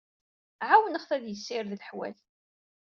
Ɛawneɣ-t ad yessired leḥwal.